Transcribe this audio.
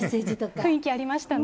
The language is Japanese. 雰囲気ありましたね。